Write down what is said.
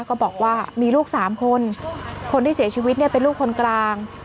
ก็บอกว่ามีลูกสามคนคนที่เสียชีวิตเนี่ยเป็นลูกคนกลาง